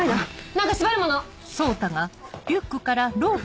何か縛るもの！